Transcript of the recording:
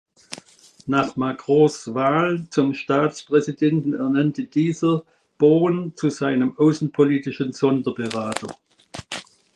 Nach Macrons Wahl zum Staatspräsidenten ernannte dieser Beaune zu seinem außenpolitischen Sonderberater.